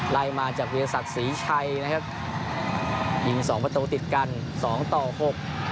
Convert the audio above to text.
ไล่มาจากวิทยาศักดิ์ศรีชัยนะครับยิงสองประตูติดกันสองต่อหก